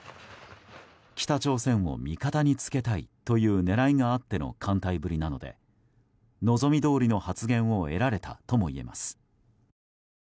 北朝鮮を味方につけたいという狙いがあっての歓待ぶりなので望みどおりの発言を得られたともいえます。